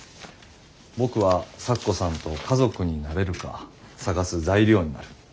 僕は咲子さんと家族になれるか探す材料になる。